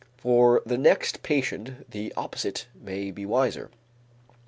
For the next patient, the opposite may be wiser.